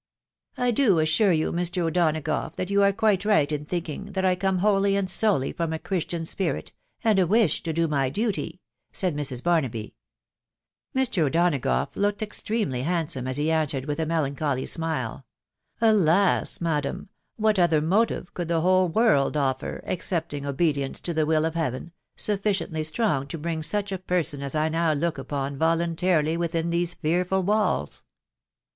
" I do assure you, Mr. O'Donagough, that you are quite right in thinking that I come wholly and solely from a Christ tian spirit and a wish to do my duty," said Mrs. Barnaby. Mr. O'Donagough looked extremely handsome a* he an* swered with a melancholy smile, u Alas ! madam ...» what other motive could the whole world offer, excepting obedience to the will of Heaven, sufficiently strong to bring such a person as I now look upon voluntarily within these fearful walls